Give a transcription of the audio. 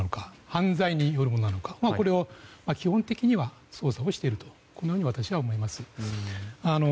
犯罪によるものなのかを基本的には捜査をしていると私は思います。